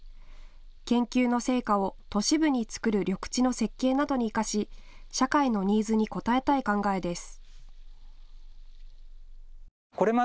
研究の成果を都市部につくる緑地の設計などに生かし社会のニーズに応えたい考えです。